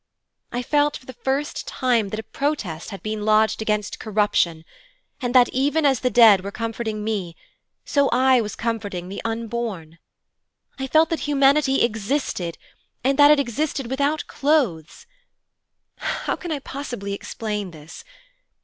I felt, for the first time, that a protest had been lodged against corruption, and that even as the dead were comforting me, so I was comforting the unborn. I felt that humanity existed, and that it existed without clothes. How can I possibly explain this?